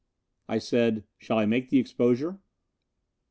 I said, "Shall I make the exposure?"